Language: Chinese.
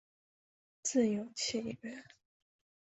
自由契约。